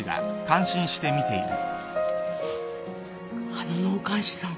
あの納棺師さん